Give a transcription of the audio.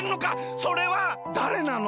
それはだれなの？